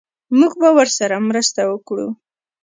موږ به ورسره مرسته وکړو